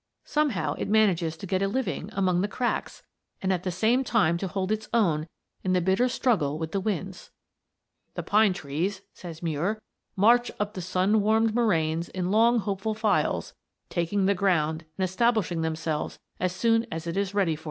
Somehow it manages to get a living among the cracks and at the same time to hold its own in the bitter struggle with the winds. "The pine trees," says Muir, "march up the sun warmed moraines in long hopeful files, taking the ground and establishing themselves as soon as it is ready for them."